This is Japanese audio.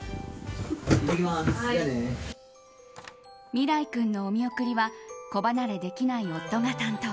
美良生君のお見送りは子離れできない夫が担当。